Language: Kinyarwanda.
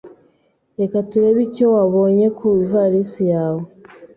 Reka turebe icyo wabonye ku ivarisi yawe.